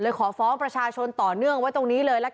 ขอฟ้องประชาชนต่อเนื่องไว้ตรงนี้เลยละกัน